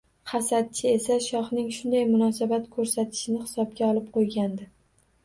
Hasadchi esa shohning shunday munosabat koʻrsatishini hisobga olib qoʻygandi